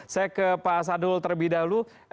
saya ke pak sanul terlebih dahulu